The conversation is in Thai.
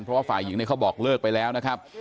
เพราะว่าฝ่ายหญิงเนี่ยเขาบอกเลิกไปแล้วนะครับ